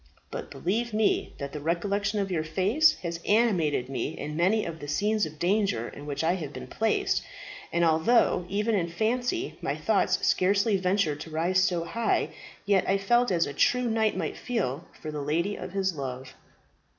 But believe me that the recollection of your face has animated me in many of the scenes of danger in which I have been placed; and although even in fancy my thoughts scarcely ventured to rise so high, yet I felt as a true knight might feel for the lady of his love."